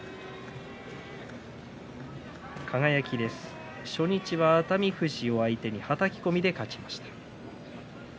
輝は初日、熱海富士を相手にはたき込みで勝ちました。